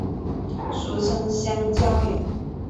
俗称香蕉油。